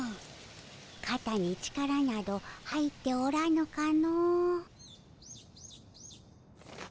かたに力など入っておらぬかの。